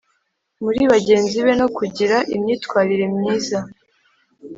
muri bagenzi be no kugira imyitwarire myiza.